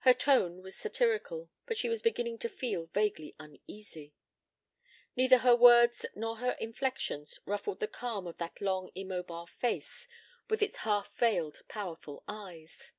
Her tone was satirical, but she was beginning to feel vaguely uneasy. Neither her words nor her inflections ruffled the calm of that long immobile face with its half veiled powerful eyes.